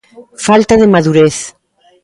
Falta de madurez.